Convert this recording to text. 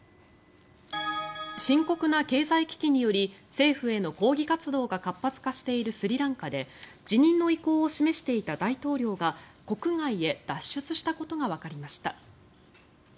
深刻な経済危機により政府への抗議活動が活発化しているスリランカで辞任の意向を示していた大統領が国外へ脱出したことがわかりました。